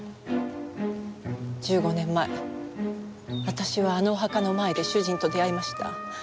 １５年前私はあのお墓の前で主人と出会いました。